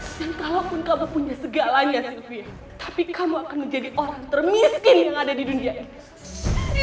dan kalaupun kamu punya segalanya silvia tapi kamu akan menjadi orang termiskin yang ada di dunia ini